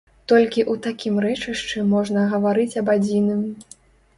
Толькі ў такім рэчышчы можна гаварыць аб адзіным.